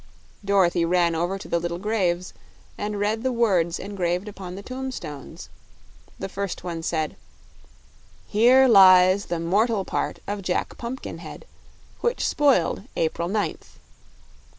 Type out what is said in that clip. Dorothy ran over to the little graves and read the words engraved upon the tombstones. The first one said: Here Lies the Mortal Part of JACK PUMPKINHEAD Which Spoiled April 9th.